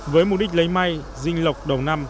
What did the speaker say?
với mục đích lấy may dinh lọc đầu năm